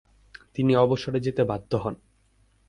তিনি অবসরে যেতে বাধ্য হন।